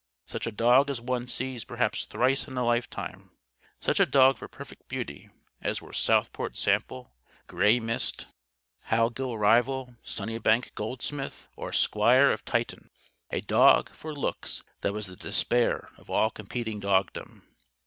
Such a dog as one sees perhaps thrice in a lifetime. Such a dog for perfect beauty, as were Southport Sample, Grey Mist, Howgill Rival, Sunnybank Goldsmith or Squire of Tytton. A dog, for looks, that was the despair of all competing dogdom.